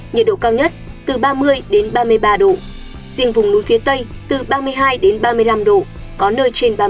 nhiệt độ cao nhất từ ba mươi một đến ba mươi bốn độ phía bắc có nơi trên ba mươi năm độ